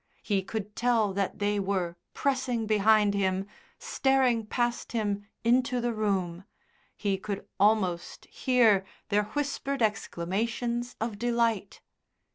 He could tell that they were pressing behind him, staring past him into the room, he could almost hear their whispered exclamations of delight.